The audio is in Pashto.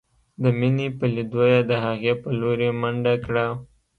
د مينې په ليدو يې د هغې په لورې منډه کړه.